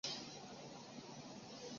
公司以参与罪恶装备系列而知名。